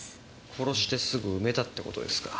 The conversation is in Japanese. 殺してすぐ埋めたって事ですか。